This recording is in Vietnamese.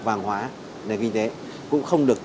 vàng hóa nền kinh tế cũng không được